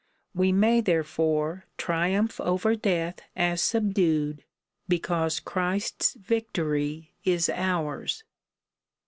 We may, therefore, tri umph over death as subdued, because Christ's victory is ours.